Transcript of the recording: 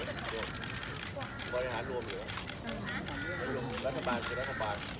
มันทำไม่หาร่วมได้อะนะฮะรัฐภาราศภาศ